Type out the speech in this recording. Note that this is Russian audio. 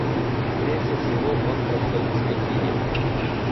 Прежде всего он прошел к скотине.